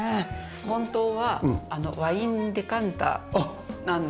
本当はワインデカンターなんです。